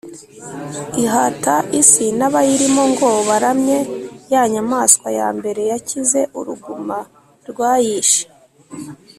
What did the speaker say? ihata isi n’abayirimo ngo baramye ya nyamaswa ya mbere yakize uruguma rwayishe,